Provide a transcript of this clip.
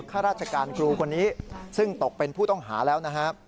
ข้าราชการครูคนนี้ซึ่งตกเป็นผู้ต้องหาแล้วนะครับ